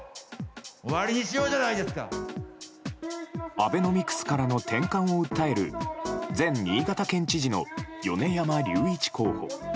アベノミクスからの転換を訴える前新潟県知事の米山隆一候補。